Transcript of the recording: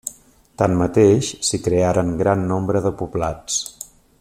Tanmateix s'hi crearen gran nombre de poblats.